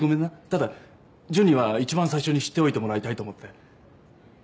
ただ純には一番最初に知っておいてもらいたいと思って。